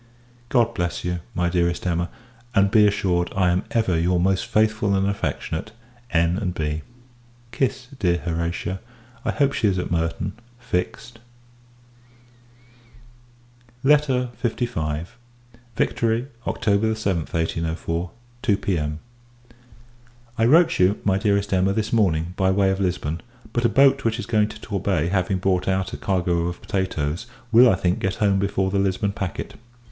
God bless you, my dearest Emma! and, be assured, I am ever your most faithful and affectionate N. & B. Kiss dear Horatia. I hope she is at Merton, fixed. LETTER LV. Victory, October 7, [1804.] 2 P.M. I wrote you, my Dearest Emma, this morning, by way of Lisbon; but a boat, which is going to Torbay, having brought out a cargo of potatoes, will I think get home before the Lisbon packet.